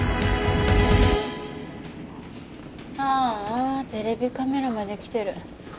ああテレビカメラまで来てる。